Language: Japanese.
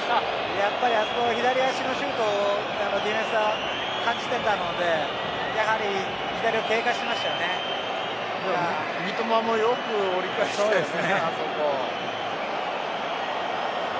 やっぱり、左足のシュートをディフェンスは感じていたので三笘もよく折り返したよね。